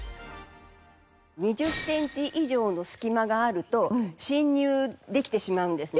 ２０センチ以上の隙間があると侵入できてしまうんですね。